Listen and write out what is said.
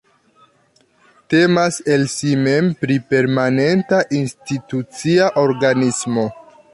Temas el si mem pri permanenta institucia organismo.